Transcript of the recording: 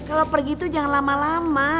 kalau pergi itu jangan lama lama